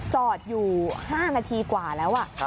จอดอยู่๕นาทีกว่าแล้ว